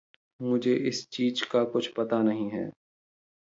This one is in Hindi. मुझे इस चीज का कुछ पता नहीं है